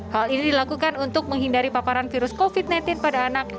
hal ini dilakukan untuk menghindari paparan virus covid sembilan belas pada anak